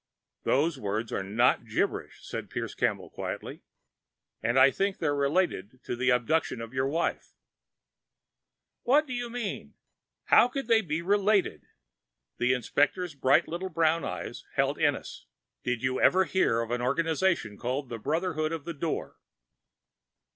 "Those words are not gibberish," said Pierce Campbell quietly. "And I think they're related to the abduction of your wife." "What do you mean? How could they be related?" The inspector's bright little brown eyes held Ennis'. "Did you ever hear of an organization called the Brotherhood of the Door?"